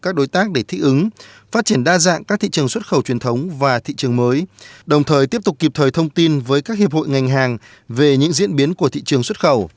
tính đến mạnh đa dạng các thị trường xuất khẩu truyền thống và thị trường mới đồng thời tiếp tục kịp thời thông tin với các hiệp hội ngành hàng về những diễn biến của thị trường xuất khẩu